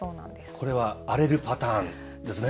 これは荒れるパターンですね？